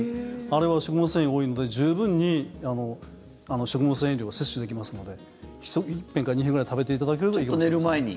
あれは食物繊維が多いので十分に食物繊維量が摂取できますので１片か２片ぐらい食べていただけるとちょっと寝る前に。